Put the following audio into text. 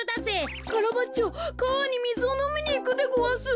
カラバッチョかわにみずをのみにいくでごわす。